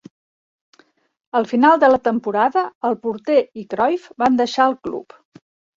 Al final de la temporada, el porter i Cruyff van deixar el club.